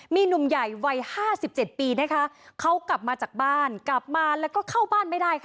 มีหนุ่มใหญ่วัย๕๗ปีนะคะเขากลับมาจากบ้านกลับมาแล้วก็เข้าบ้านไม่ได้ค่ะ